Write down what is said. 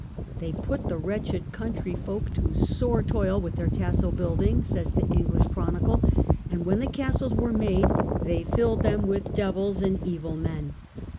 " They put the wretched ^^ country folk to sore toil with their castle build ing^'j says the English Chronicle; "and when the castles were made, they filled them with devils and evil men.